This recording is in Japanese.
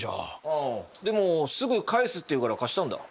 でもすぐ返すっていうから貸したんだ。